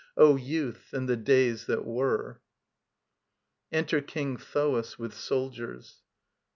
O Youth and the days that were! [enter KING THOAS, with soldiers.